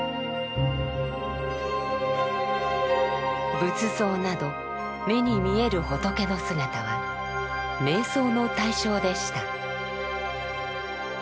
仏像など目に見える仏の姿は瞑想の対象でした。